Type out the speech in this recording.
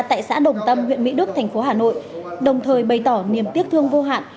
tại xã đồng tâm huyện mỹ đức thành phố hà nội đồng thời bày tỏ niềm tiếc thương vô hạn